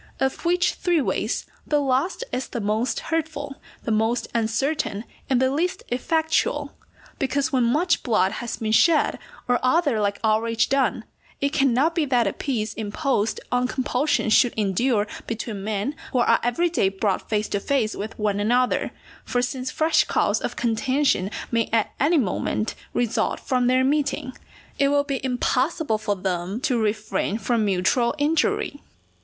Of which three ways the last is the most hurtful, the most uncertain, and the least effectual; because when much blood has been shed, or other like outrage done, it cannot be that a peace imposed on compulsion should endure between men who are every day brought face to face with one another; for since fresh cause of contention may at any moment result from their meeting, it will be impossible for them to refrain from mutual injury.